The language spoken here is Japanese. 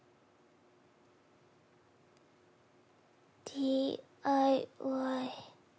ＤＩＹ。